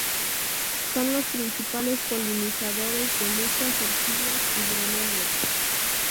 Son los principales polinizadores de muchas orquídeas y bromelias.